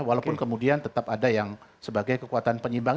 walaupun kemudian tetap ada yang sebagai kekuatan penyimbang